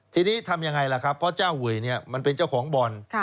ทีนี้ทำยังไงล่ะครับเพราะเจ้าเวยเนี่ยมันเป็นเจ้าของบ่อน